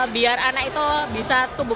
biar anak itu bisa tumbuh